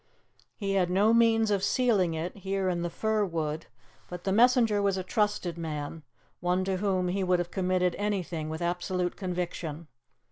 He had no means of sealing it, here in the fir wood, but the messenger was a trusted man, one to whom he would have committed anything with absolute conviction.